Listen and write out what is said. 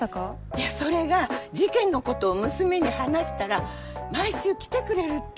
いやそれが事件のことを娘に話したら毎週来てくれるって。